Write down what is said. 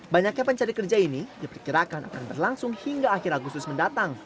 banyaknya pencari kerja ini diperkirakan akan berlangsung hingga akhir agustus mendatang